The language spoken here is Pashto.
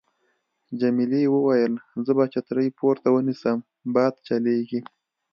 جميلې وويل:: زه به چترۍ پورته ونیسم، باد چلېږي.